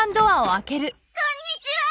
こんにちは！